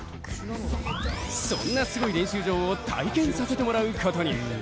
そんなすごい練習場を体験させてもらうことに。